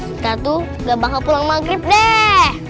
kita tuh gak bangga pulang maghrib deh